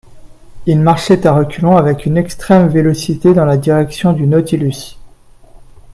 Il marchait à reculons avec une extrême vélocité dans la direction du Nautilus.